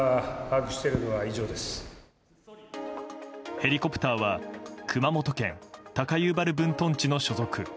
ヘリコプターは熊本県高遊原分屯地の所属。